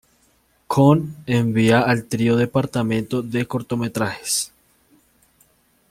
Cohn envía al trio al departamento de cortometrajes.